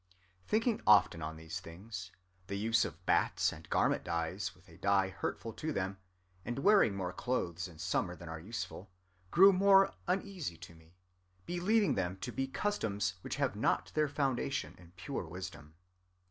"Thinking often on these things, the use of hats and garments dyed with a dye hurtful to them, and wearing more clothes in summer than are useful, grew more uneasy to me; believing them to be customs which have not their foundation in pure wisdom.